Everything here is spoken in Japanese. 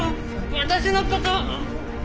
私のことは。